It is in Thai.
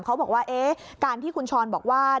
เขาบอกว่าการที่คุณชรบอกว่า